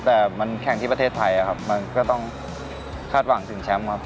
แต่มันแข่งที่ประเทศไทยครับมันก็ต้องคาดหวังถึงแชมป์ครับ